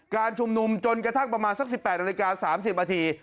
การชุมนุมจนกระทั่งประมาณสัก๑๘นาฬิกา๓๐นาที